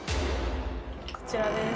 こちらです。